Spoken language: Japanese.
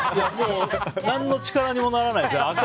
何の力にもならないですよ。